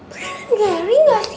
beneran gary gak sih